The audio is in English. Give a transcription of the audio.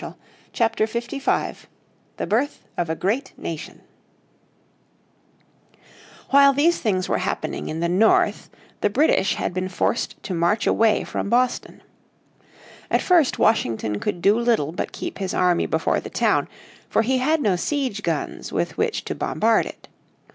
__________ Chapter 55 The Birth of A Great Nation While these things were happening in the north the British had been forced to march away from Boston. At first Washington could do little but keep his army before the town, for he had no siege guns with which to bombard it.